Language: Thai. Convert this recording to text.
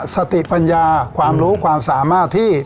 สติปัญญาความรู้ความสามารถที่